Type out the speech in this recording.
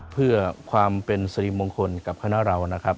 เพื่อความเป็นสริมงคลกับคณะเรานะครับ